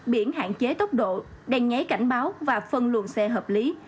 biển hạn chế tốc độ đèn nháy cảnh báo và phân luồng xe hợp lý